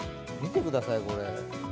見てください、これ。